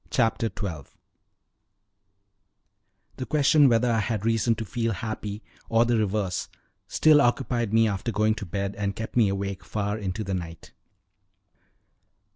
Chapter 12 The question whether I had reason to feel happy or the reverse still occupied me after going to bed, and kept me awake far into the night.